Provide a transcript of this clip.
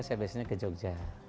saya biasanya ke jogja